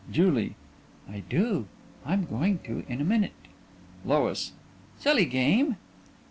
JULIE: I do. I'm going to in a minute. LOIS: Silly game.